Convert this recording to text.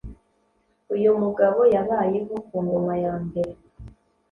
Uyu mugabo yabayeho ku ngoma yambere